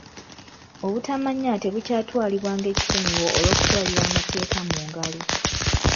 Obutamanya tebukyatwalibwa ng'ekisonyiwo olw'okutwalira amateeka mu ngalo.